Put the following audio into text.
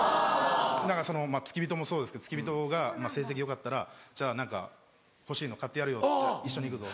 付き人もそうですけど付き人が成績よかったら「じゃあ何か欲しいの買ってやるよ一緒に行くぞ」